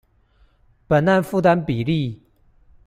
本案負擔比例